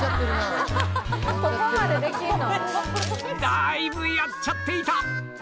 だいぶやっちゃっていた！